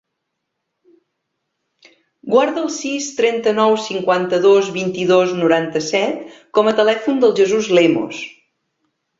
Guarda el sis, trenta-nou, cinquanta-dos, vint-i-dos, noranta-set com a telèfon del Jesús Lemos.